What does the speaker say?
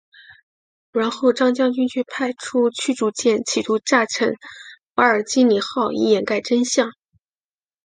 然后张将军却派出驱逐舰企图炸沉瓦尔基里号以掩盖真相。